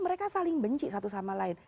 mereka saling benci satu sama lain